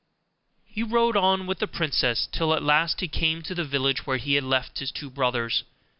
He rode on with the princess, till at last he came to the village where he had left his two brothers.